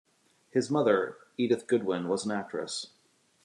His mother, Edith Goodwin, was an actress.